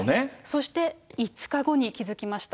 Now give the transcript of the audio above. そして５日後に気付きました。